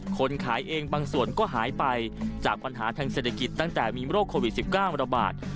คนขายเองบางส่วนก็หายไปจากปัญหาทางเศรษฐกิจตั้งแต่มีโรคโควิด๑๙ระบาด